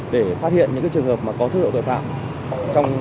để phát hiện những trường hợp mà có chất lượng tội phạm